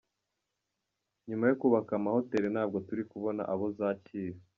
Nyuma yo kubaka amahoteli, ntabwo turi kubona abo zakira.